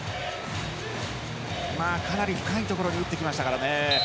かなり深いところに打ってきましたからね。